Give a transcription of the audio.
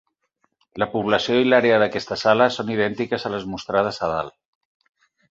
La població i l'àrea d'aquesta sala són idèntiques a les mostrades a dalt.